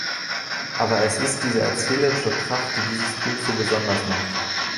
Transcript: Aber es ist die erzählerische Kraft, die dieses Buch so besonders macht.